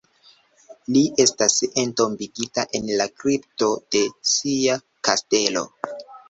Li estas entombigita en la kripto de sia kastelo.